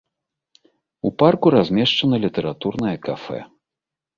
У парку размешчана літаратурнае кафэ.